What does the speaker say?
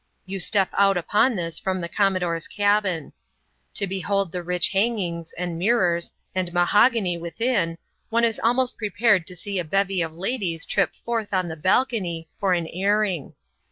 You step out upon this from the commodore's cabin. To behold the rich hangings, and mirrors, and mahogany within, one is almost prepared to see a bevy of ladies trip forth on the balcony for an airing.